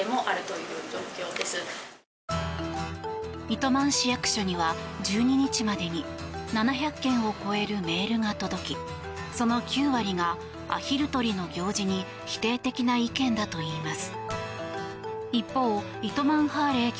糸満市役所には１２日までに７００件を超えるメールが届きその９割がアヒル取りの行事に否定的な意見だといいます。